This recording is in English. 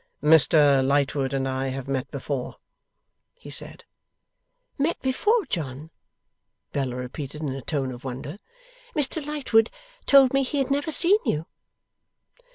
'Mr Lightwood and I have met before,' he said. 'Met before, John?' Bella repeated in a tone of wonder. 'Mr Lightwood told me he had never seen you.